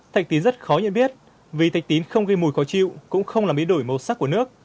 thạch tín rất khó nhận biết vì thạch tín không gây mùi khó chịu cũng không làm bí đổi màu sắc của nước